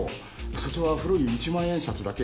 札は古い一万円札だけ。